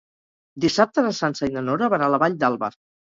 Dissabte na Sança i na Nora van a la Vall d'Alba.